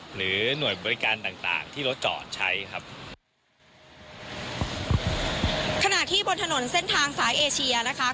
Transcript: หรือหน่วยบริการต่างต่างที่รถจอดใช้ครับขณะที่บนถนนเส้นทางสายเอเชียนะคะ